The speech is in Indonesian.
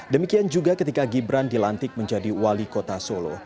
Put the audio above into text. demikian juga ketika gibran dilantik menjadi wali kota solo